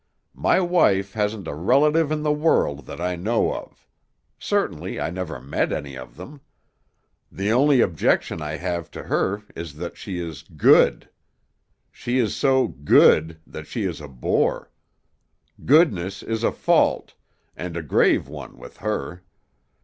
My wife hasn't a relative in the world that I know of; certainly I never met any of them. The only objection I have to her is that she is Good. She is so Good that she is a bore; goodness is a fault, and a grave one with her.